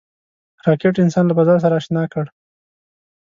راکټ انسان له فضا سره اشنا کړ